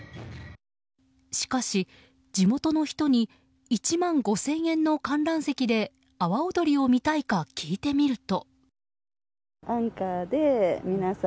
しかし地元の人に１万５０００円の観覧席で阿波踊りを見たいか聞いてみると。